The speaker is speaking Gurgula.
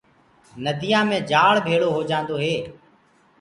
نديآ مي جآݪ ڀيݪو هوجآندو هي۔